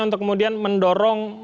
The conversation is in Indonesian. untuk kemudian mendorong